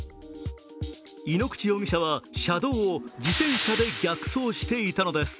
井ノ口容疑者は、車道を自転車で逆走していたのです。